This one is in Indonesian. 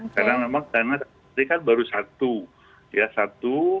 karena memang karena tadi kan baru satu ya satu